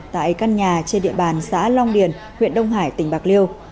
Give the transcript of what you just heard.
tại căn nhà trên địa bàn xã long điền huyện đông hải tỉnh bạc liêu